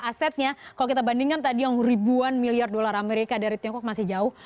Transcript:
asetnya kalau kita bandingkan tadi yang ribuan miliar dolar amerika dari tiongkok masih jauh